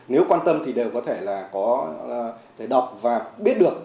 nếu quan tâm thì đều có thể là có thể đọc và biết được